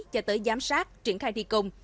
cho tới giám sát triển khai thi công